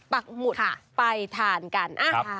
ปักหมุดไปทานกัน